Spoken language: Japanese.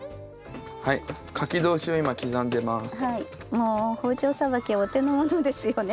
もう包丁さばきお手のものですよね。